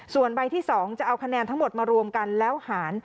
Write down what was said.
ส่วนใบที่๒จะเอาคะแนนทั้งหมดมารวมกันแล้วหาร